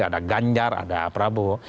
ada ganjar ada prabowo